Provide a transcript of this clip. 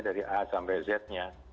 dari a sampai z nya